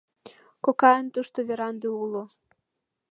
Кокайын тушто веранде уло.